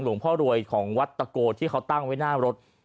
พ่อรวยของวัดตะโกที่เขาตั้งไว้หน้ารถ